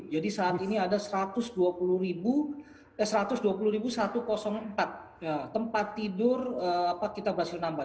jadi saat ini ada satu ratus dua puluh satu ratus empat tempat tidur kita berhasil menambah